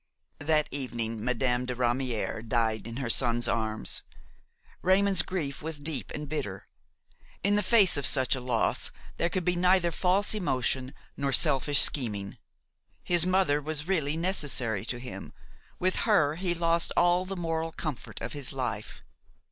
That evening Madame de Ramière died in her son's arms. Raymon's grief was deep and bitter; in the face of such a loss there could be neither false emotion nor selfish scheming. His mother was really necessary to him; with her he lost all the moral comfort of his life.